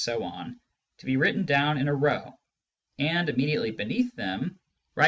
.. to be written down in a row, and immediately beneath them o, I, 2, 3